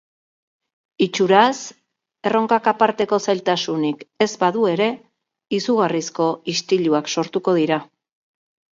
Itxuraz, erronkak aparteko zailtasunik ez badu ere, izugarrizko istiluak sortuko dira.